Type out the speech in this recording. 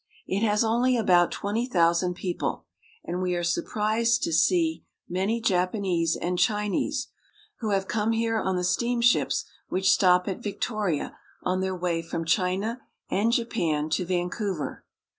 It has only about twenty thousand people, and we are surprised to see many Japanese and Chinese, who have come here on the steamships which stop at Victoria on their way from China and Japan to Vancouver.